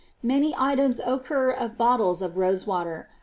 ^ Many items occur of bottles of rose water